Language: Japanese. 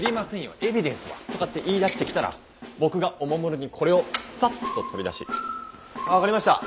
エビデンスは？」とかって言いだしてきたら僕がおもむろにこれをサッと取り出し「分かりました！